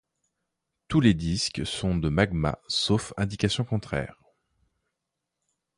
Tous les disques sont de Magma sauf indication contraire.